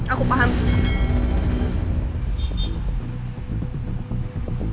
aku paham semua